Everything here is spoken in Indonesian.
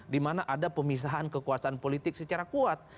di mana ada pemisahan kekuasaan politik secara kuat